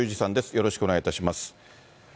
よろしくお願いします。